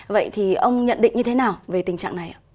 vậy thì ông nhận định như thế nào về tình trạng này ạ